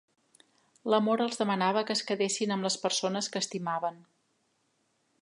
L'amor els demanava que es quedessin amb les persones que estimaven.